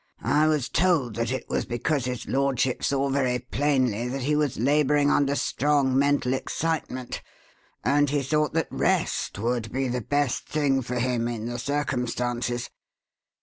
I was told that it was because his lordship saw very plainly that he was labouring under strong mental excitement, and he thought that rest would be the best thing for him in the circumstances.